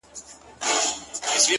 د کلي حوري په ټول کلي کي لمبې جوړي کړې،